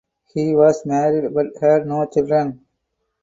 He was married but had no children.